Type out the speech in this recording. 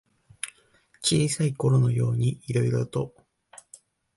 小さいころのようにいろいろと。